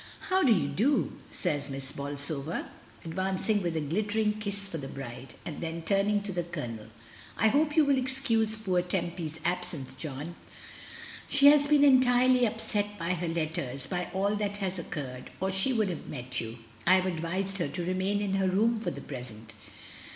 "How do you do?" says Miss Bolsover, advancing with a glittering kiss for the bride; then turning to the Colonel: "I hope you will excuse poor Tempy's absence, John. She has been entirely upset by her letters, by all that has occurred, or she would have met you. I have advised her to remain in her room for the present."